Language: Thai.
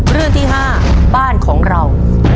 เรื่องที่๕บ้านของเรา